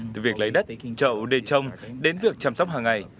từ việc lấy đất trậu để trồng đến việc chăm sóc hàng ngày